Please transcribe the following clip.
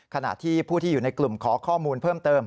ขณะที่ผู้ที่อยู่ในกลุ่มขอข้อมูลเพิ่มเติม